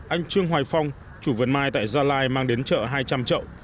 anh trương hoài phong chủ vườn mai tại gia lai mang đến chợ hai trăm linh trậu